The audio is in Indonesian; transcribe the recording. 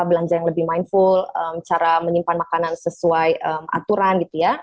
belanja yang lebih mindful cara menyimpan makanan sesuai aturan